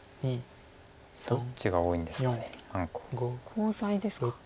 コウ材ですか。